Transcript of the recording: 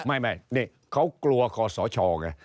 ไม่นี่เขากลัวคอสชไง